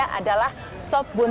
apa yang aku keluarkan di sini